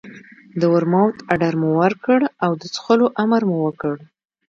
د ورموت اډر مو ورکړ او د څښلو امر مو وکړ.